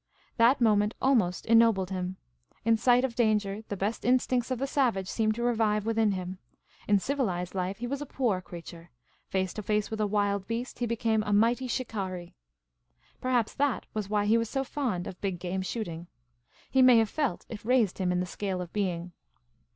That moment almost ennobled him. In sight of danger, the best instincts of the savage seemed to revive within him. In civilised life he was a poor creature ; face to face with a wild beast he became a mighty shikari. Perhaps that was why he was so fond of big game shooting. He may have felt it raised him in the scale of being.